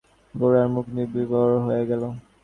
গোরার মুখ বিবর্ণ হইয়া গেল।